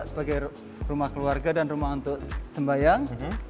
sebagai rumah keluarga dan rumah untuk sembayang